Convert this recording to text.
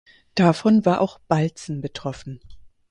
Davon war auch Balzen betroffen.